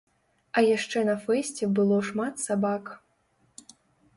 А яшчэ на фэсце было шмат сабак.